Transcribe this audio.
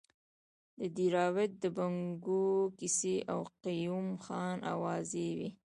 د دیراوت د بنګو کیسې او قیوم خان اوازې وې.